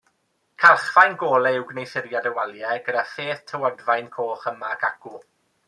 Calchfaen golau yw gwneuthuriad y waliau, gyda pheth tywodfaen coch yma ac acw.